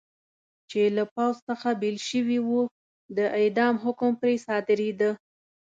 چې له پوځ څخه بېل شوي و، د اعدام حکم پرې صادرېده.